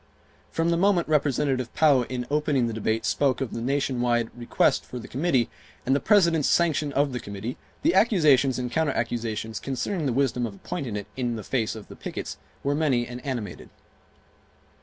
From the moment Representative Pou in opening the debate spoke of the nation wide request for the committee, and the President's sanction of the committee, the accusations and counter accusations concerning the wisdom of appointing it in the face of the pickets were many and animated.